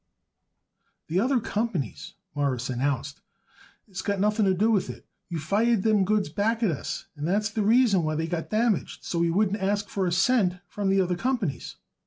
"The other companies," Morris announced, "is got nothing to do with it. You fired them goods back at us, and that's the reason why they got damaged. So, we wouldn't ask for a cent from the other companies."